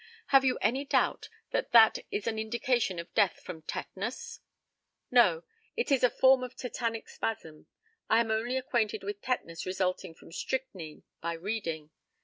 Have you any doubt that that is an indication of death from tetanus? No; it is a form of tetanic spasm. I am only acquainted with tetanus resulting from strychnine by reading.